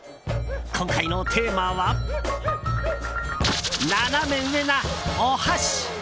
今回のテーマはナナメ上なお箸。